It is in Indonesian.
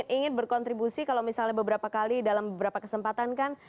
ingin berkontribusi kalau misalnya beberapa kali dalam beberapa kesempatan kan